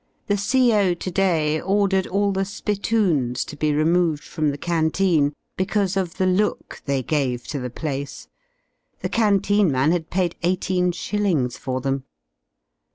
The CO. 20 to day ordered all the spittoons to be removed from the canteen because of the look they gave to the place; the canteen man had paid eighteen shillings for them.